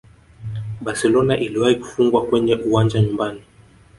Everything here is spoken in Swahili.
barcelona iliwahi kufungwa kwenye uwanja nyumbani